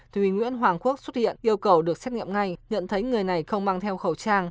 thúy nguyễn hoàng quốc xuất hiện yêu cầu được xét nghiệm ngay nhận thấy người này không mang theo khẩu trang